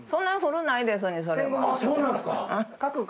そうなんですか？